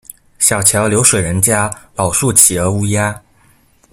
小橋流水人家，老樹企鵝烏鴉